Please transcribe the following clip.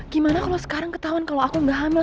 gimana kalau sekarang ketahuan kalau aku nggak hamil